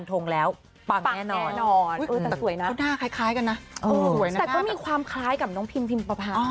แต่ก็มีความคล้ายกับน้องพิมพ์พิมพาผะ